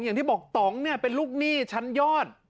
อย่างที่บอกต่องเนี่ยเป็นลูกหนี้ชั้นยอด